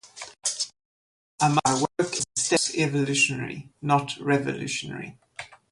I must do my work in steps-evolutionary, not revolutionary.